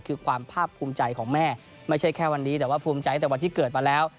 คือความภาพภูมิใจของแม่ไม่ใช่แค่วันนี้แต่ว่าภูมิใจตั้งแต่วันที่เกิดมาแล้ว